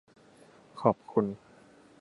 ขอบคุณ